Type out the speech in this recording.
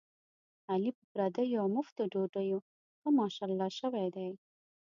علي په پردیو اومفتو ډوډیو ښه ماشاءالله شوی دی.